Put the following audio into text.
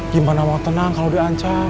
gimana mau tenang kalau diancam